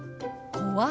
「怖い」。